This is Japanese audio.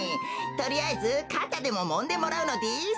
とりあえずかたでももんでもらうのです。